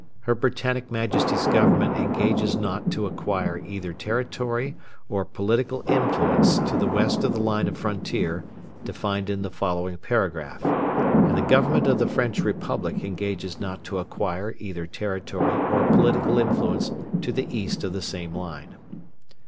Her Britannic Majesty's Government engages not to acquire either territory or political influence to the west of the line of frontier defined in the following paragraph, and the Government of the French Republic engages not to acquire either territory or political influence to the east of the same line.